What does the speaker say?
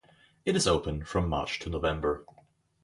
It is open from March to November.